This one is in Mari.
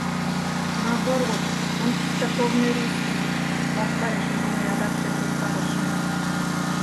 — Наоборот, он — чистокровный русский! — ваштарешыже мый адак шергылтарышым.